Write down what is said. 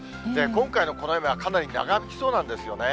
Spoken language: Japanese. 今回のこの雨は、かなり長引きそうなんですよね。